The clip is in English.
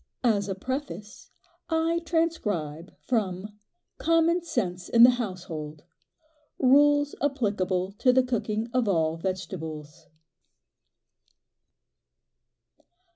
As a preface I transcribe from "Common Sense in the Household" "RULES APPLICABLE TO THE COOKING OF ALL VEGETABLES."